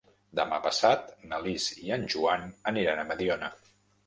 Demà passat na Lis i en Joan aniran a Mediona.